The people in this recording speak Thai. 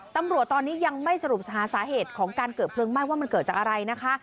ตำรวจตอนนี้ยังไม่สรุปหาสาเหตุของการเกิดเพลิงไหม้ว่ามันเกิดจากอะไรนะคะ